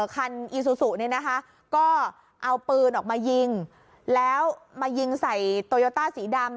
คันอีซูซูเนี่ยนะคะก็เอาปืนออกมายิงแล้วมายิงใส่โตโยต้าสีดำ